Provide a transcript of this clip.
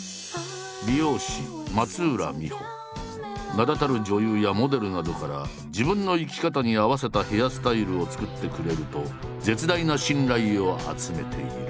名だたる女優やモデルなどから自分の生き方に合わせたヘアスタイルを作ってくれると絶大な信頼を集めている。